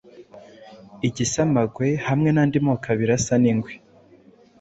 igisamagwe hamwe n’andi moko abiri asa n’ingwe